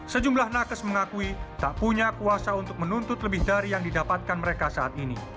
sejumlah nakes mengakui tak punya kuasa untuk menuntut lebih dari yang didapatkan mereka saat ini